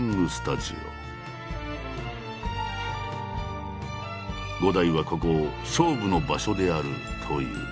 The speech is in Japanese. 伍代はここを「勝負の場所である」と言う。